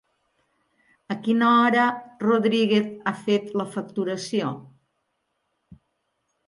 A quina hora Rodríguez ha fet la facturació?